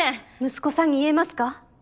息子さんに言えますか？